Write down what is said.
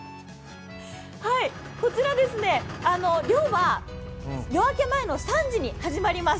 こちら、漁は夜明け前の３時に始まります。